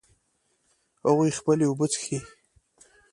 هغوی خپلې اوبه څښي